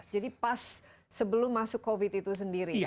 jadi pas sebelum masuk covid itu sendiri